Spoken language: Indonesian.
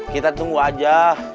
kita tunggu aja